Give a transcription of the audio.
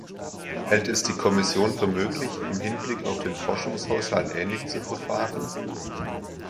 Hält es die Kommission für möglich, im Hinblick auf den Forschungshaushalt ähnlich zu verfahren?